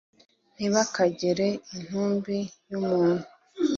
ntibakegere intumbi y’umuntu